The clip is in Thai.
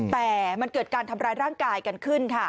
แต่มันเกิดการทำร้ายร่างกายกันขึ้นค่ะ